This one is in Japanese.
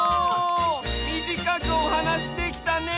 みじかくおはなしできたね！